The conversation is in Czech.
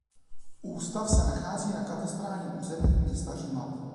Ústav se nachází na katastrálním území města Říma.